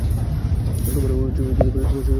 তোমার সুযোগ এসে গেছে!